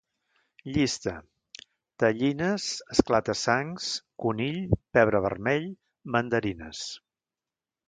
Llista: tellines, esclata-sangs, conill, pebre vermell, mandarines